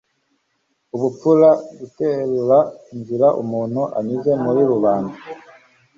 ubupfura guterura inzira umuntu anyuze muri rubanda